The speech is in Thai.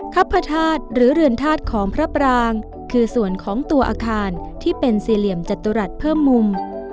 พระธาตุหรือเรือนธาตุของพระปรางคือส่วนของตัวอาคารที่เป็นสี่เหลี่ยมจตุรัสเพิ่มมุม